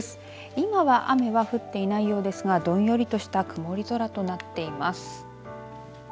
今は雨は降っていないようですがどんよりとした曇り空となっています。